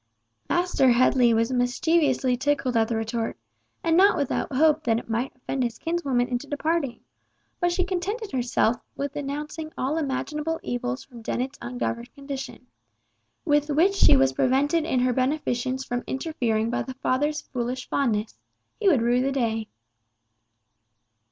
Master Headley was mischievously tickled at the retort, and not without hope that it might offend his kinswoman into departing; but she contented herself with denouncing all imaginable evils from Dennet's ungoverned condition, with which she was prevented in her beneficence from interfering by the father's foolish fondness. He would rue the day!